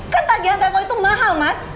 kan tagihan telfon itu mahal mas